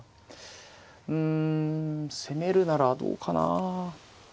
うん攻めるならどうかな。